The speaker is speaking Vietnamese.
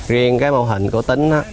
riêng cái mô hình của tín á